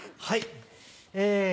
はい。